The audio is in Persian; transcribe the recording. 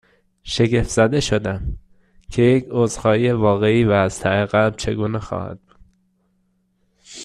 شگفت زده شدم، که یک عذرخواهی واقعی و از ته قلب چگونه خواهد بود؟